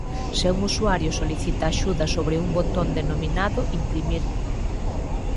Se un usuario solicita axuda sobre un botón denominado "Imprimir".